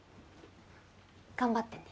頑張ってね。